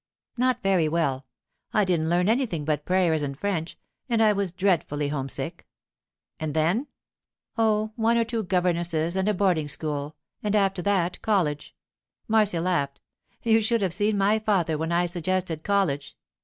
'Not very well. I didn't learn anything but prayers and French, and I was dreadfully homesick.' 'And then?' 'Oh, one or two governesses and a boarding school, and after that college.' Marcia laughed. 'You should have seen my father when I suggested the college.